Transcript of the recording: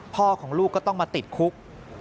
ของลูกก็ต้องมาติดคุก